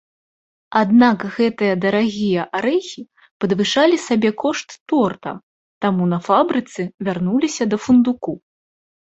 Аднак гэтыя дарагія арэхі падвышалі сабекошт торта, таму на фабрыцы вярнуліся да фундуку.